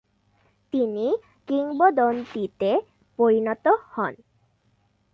তিনি কিংবদন্তিতে পরিণত হন।